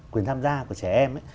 quyền tham gia của trẻ em